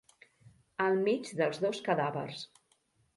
Al mig dels dos cadàvers.